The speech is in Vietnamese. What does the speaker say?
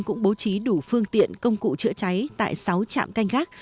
cũng bố trí đủ phương tiện công cụ chữa cháy tại sáu trạm canh gác